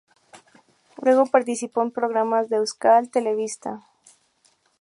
Luego, participó en programas de Euskal Telebista.